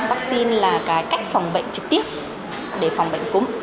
vaccine là cái cách phòng bệnh trực tiếp để phòng bệnh cúm